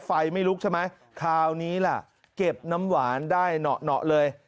ไฟไม่ลุกใช่ไหมคราวนี้ล่ะเก็บน้ำหวานได้เหนาะเลย